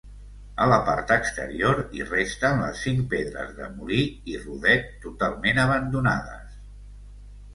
A la part exterior hi resten les cinc pedres de molí i rodet totalment abandonades.